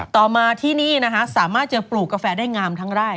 ต่อมาที่นี่นะคะสามารถจะปลูกกาแฟได้งามทั้งไร่